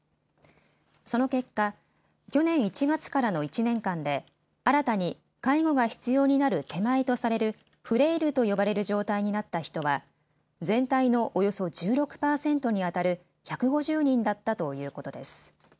その結果、去年１月からの１年間で新たに介護が必要になる手前とされるフレイルと呼ばれる状態になった人は全体のおよそ１６％にあたる１５０人だったということです。